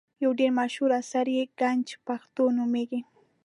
یو ډېر مشهور اثر یې ګنج پښتو نومیږي.